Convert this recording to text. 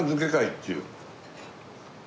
っていう。